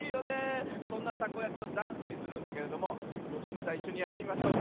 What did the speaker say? そんなたこやきをダンスにするんだけれどもよしにいさんいっしょにやってみましょうか。